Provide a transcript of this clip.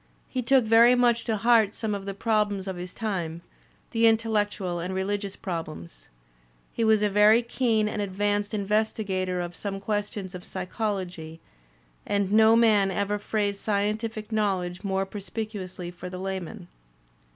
He took very much to heart some of the problems of his time, the intellectual and religious problems. He was a very keen and advanced investigator of some questions of psychology, and no man ever phrased scientific knowledge more perspicuously for the layman.